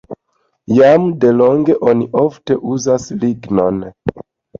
Jam delonge oni ofte uzas lignon.